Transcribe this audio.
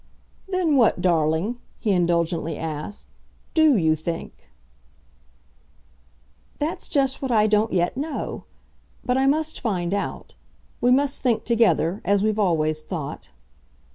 "Then what, darling," he indulgently asked, "DO you think?" "That's just what I don't yet know. But I must find out. We must think together as we've always thought.